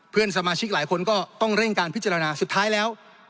เพื่อนสมาชิกหลายคนก็ต้องเร่งการพิจารณาสุดท้ายแล้ว